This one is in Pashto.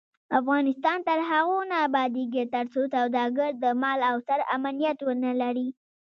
افغانستان تر هغو نه ابادیږي، ترڅو سوداګر د مال او سر امنیت ونلري.